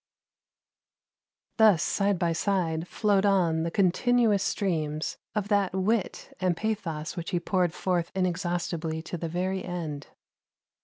Thus side by side flowed on the continuous streams of that wit and pathos which he poured forth inexhaustibly to the very end.